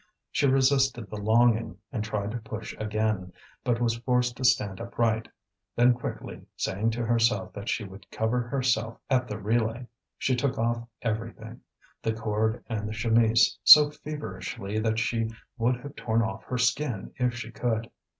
She resisted the longing, and tried to push again, but was forced to stand upright. Then quickly, saying to herself that she would cover herself at the relay, she took off everything, the cord and the chemise, so feverishly that she would have torn off her skin if she could.